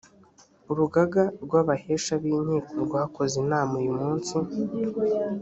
urugaga rw’abahesha b’inkiko rwakoze inama uyu munsi